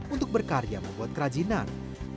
untuk berkarya membuat kerajinan